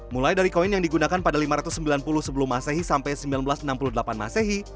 mulai dari koin yang digunakan pada lima ratus sembilan puluh sebelum masehi sampai seribu sembilan ratus enam puluh delapan masehi